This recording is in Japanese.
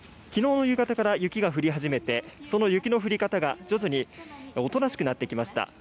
きのうの夕方から雪が降り始めて、その雪の降り方が徐々におとなしくなってきました。